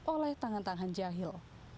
oleh tangan tangan jahat